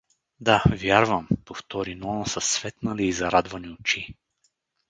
Да, вярвам — повтори Нона със светнали и зарадвани очи.